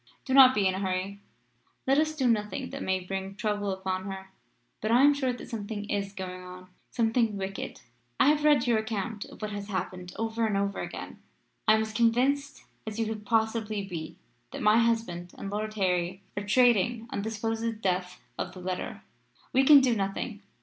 Do not be in a hurry. Let us do nothing that may bring trouble upon her. But I am sure that something is going on something wicked. I have read your account of what has happened over and over again. I am as convinced as you could possibly be that my husband and Lord Harry are trading on the supposed death of the letter. We can do nothing.